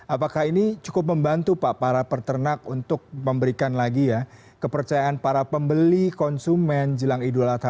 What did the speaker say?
apakah ini cukup membantu pak para peternak untuk memberikan lagi ya kepercayaan para pembeli konsumen jelang idul adha